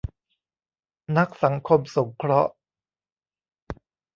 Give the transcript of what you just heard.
นักสังคมสงเคราะห์